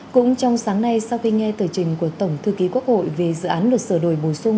cũng trong sáng nay sau khi nghe tờ trình của tổng thư ký quốc hội về dự án luật sửa đổi bổ sung